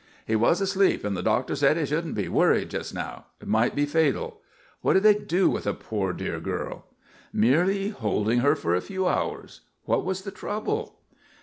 He was asleep and the doctor said he shouldn't be worried just now. It might be fatal. What did they do with the poor, dear girl?" "Merely holding her for a few hours. What was the trouble?"